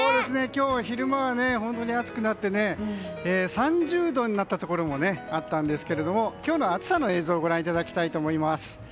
今日は昼間は本当に暑くなって３０度になったところもあったんですが今日の暑さの映像ご覧いただきたいと思います。